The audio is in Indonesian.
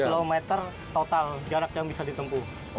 enam puluh km total jarak yang bisa ditempu